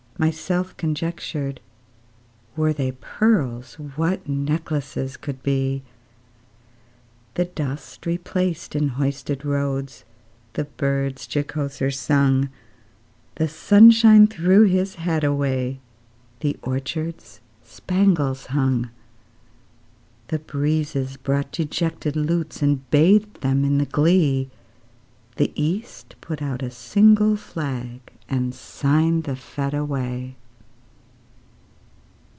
Myself conjectured, Were they pearls, What necklaces could be! The dust replaced in hoisted roads, The birds jocoser sung; The sunshine threw his hat away, The orchards spangles hung. The breezes brought dejected lutes, And bathed them in the glee; The East put out a single flag, And signed the fete away.